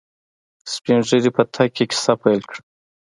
سپينږيري په تګ کې کيسه پيل کړه.